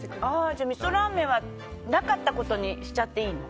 じゃあみそラーメンはなかったことにしちゃっていいの？